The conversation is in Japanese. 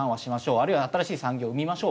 あるいは新しい産業を生みましょう。